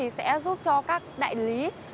sẽ giúp cho các đại lý